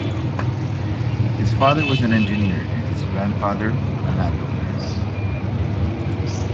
His father was an engineer, and his grandfather, a landowner.